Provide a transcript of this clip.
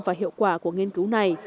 và hiệu quả của nghiên cứu này